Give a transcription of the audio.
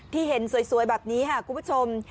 ที่เห็นสวยแบบนี้ค่ะคุณผู้ชม